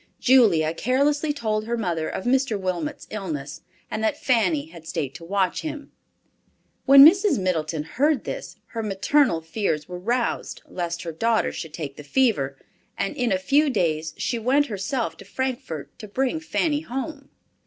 Julia carelessly told her mother of Mr. Wilmot's illness, and that Fanny had stayed to watch him. When Mrs. Middleton heard this, her maternal fears were roused lest her daughter should take the fever, and in a few days she went herself to Frankfort to bring Fanny home.